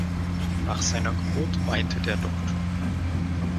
Nach seiner Geburt weinte der Doktor.